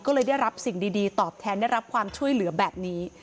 ก็เลยได้รับสิ่งดีตอบแทนได้รับความช่วยเหลือแบบนี้